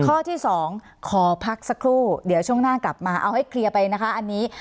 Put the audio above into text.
ข้อที่สองขอพักสักครู่เดี๋ยวช่วงหน้ากลับมาเอาให้เคลียร์ไปนะคะอันนี้